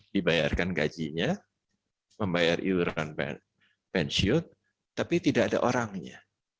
dibayarkan gajinya membayar iuran pensiun tapi tidak ada orangnya